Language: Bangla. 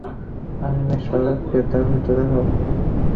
আমি মেষপালককে তার মৃত্যু দেখাবো।